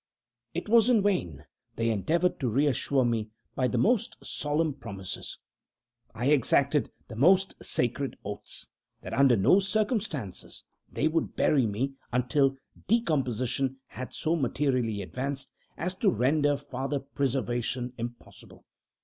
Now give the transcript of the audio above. It was in vain they endeavored to reassure me by the most solemn promises. I exacted the most sacred oaths, that under no circumstances they would bury me until decomposition had so materially advanced as to render farther preservation impossible.